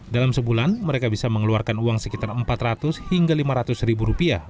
dalam sebulan mereka bisa mengeluarkan uang sekitar rp empat ratus hingga rp lima ratus ribu rupiah